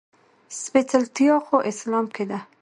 سپېڅلتيا خو اسلام کې ده.